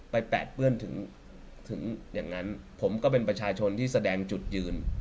แปะเปื้อนถึงอย่างนั้นผมก็เป็นประชาชนที่แสดงจุดยืน